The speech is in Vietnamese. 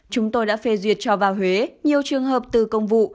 chúng tôi đã phê duyệt cho vào huế nhiều trường hợp từ công vụ